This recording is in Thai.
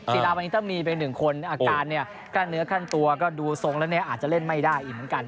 สีราวันนี้ถ้ามีเป็น๑คนอาการเนื้อขั้นตัวดูทรงแล้วอาจจะเล่นไม่ได้อีกเหมือนกัน